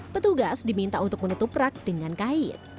petugas diminta untuk menutup rak dengan kain